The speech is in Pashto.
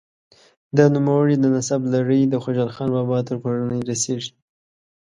د نوموړي د نسب لړۍ د خوشحال خان بابا تر کورنۍ رسیږي.